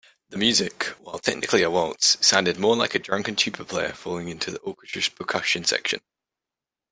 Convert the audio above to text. The music, while technically a waltz, sounded more like a drunken tuba player falling into the orchestra's percussion section.